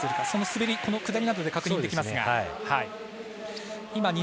その滑り、下りなどで確認できますが。